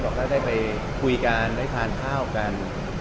ก็ได้ไปคุยกันได้ทานข้าวกัน